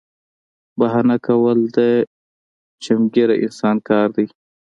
بهانه کول د چمګیره انسان کار دی